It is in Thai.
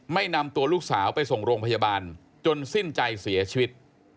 นำตัวลูกสาวไปส่งโรงพยาบาลจนสิ้นใจเสียชีวิต